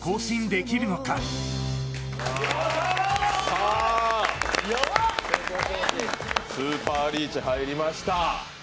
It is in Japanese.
さあ、スーパーリーチ入りました。